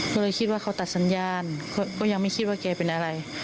ก็เลยคิดว่าเขาตัดสัญญาณก็ยังไม่คิดว่าแกเป็นอะไร